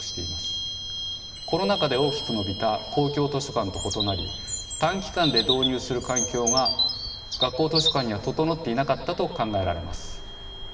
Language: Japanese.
コロナ禍で大きく伸びた公共図書館と異なり短期間で導入する環境が学校図書館には整っていなかったと考えられます。